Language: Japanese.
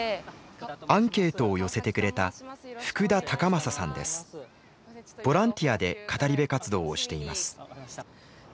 アンケートを寄せてくれたボランティアで語り部活動をしています。